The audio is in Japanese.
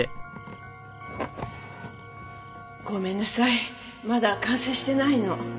ごめんなさいまだ完成してないの。